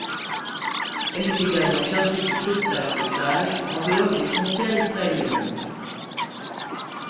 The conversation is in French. Elle est également chargée du sauvetage d'otages en dehors des frontières israéliennes.